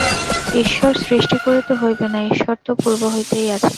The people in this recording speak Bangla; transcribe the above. ঈশ্বর সৃষ্টি করিতে হইবে না, ঈশ্বর তো পূর্ব হইতেই আছেন।